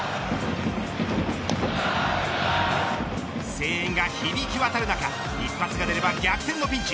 声援が響きわたる中一発が出れば逆転のピンチ。